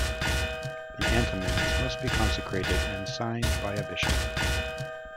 The antimins must be consecrated and signed by a bishop.